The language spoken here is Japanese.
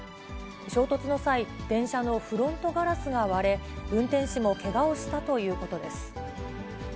衝突の際、電車のフロントガラスが割れ、運転士もけがをしたということです。